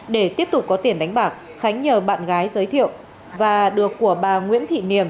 để tiếp tục có tiền đánh bạc khánh nhờ bạn gái giới thiệu và được của bà nguyễn thị niềm